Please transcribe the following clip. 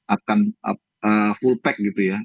akan full pack gitu ya